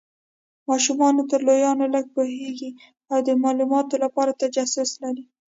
ماشومان تر لویانو لږ پوهیږي او د مالوماتو لپاره تجسس لري.